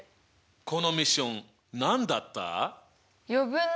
このミッション何だった？